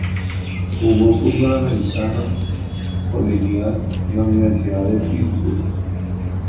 Jugó fútbol americano colegial en la Universidad de Pittsburgh.